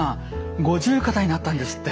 五十肩になったんですって？